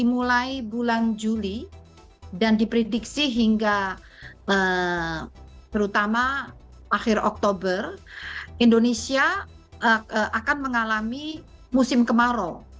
mulai bulan juli dan diprediksi hingga terutama akhir oktober indonesia akan mengalami musim kemarau